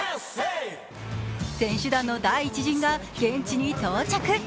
選手団の第１陣が現地に到着。